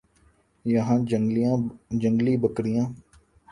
یہاں جنگلی بکریاں